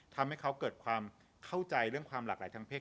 ทำให้เขาเกิดความเข้าใจเรื่องความหลากหลายทางเพศ